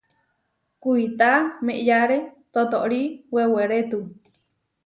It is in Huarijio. Kuitá meʼyáre totóri wewerétu.